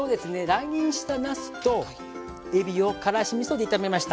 乱切りにしたなすとえびをからしみそで炒めました。